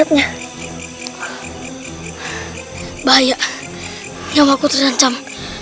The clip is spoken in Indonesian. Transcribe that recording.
tidak nyamaku terancam